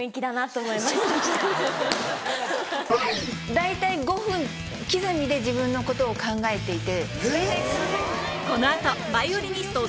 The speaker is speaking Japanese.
大体５分刻みで自分のことを考えていて。